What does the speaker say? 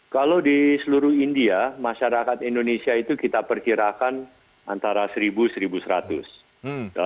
kalau di seluruh india masyarakat indonesia itu kita perkirakan antara seribu satu seratus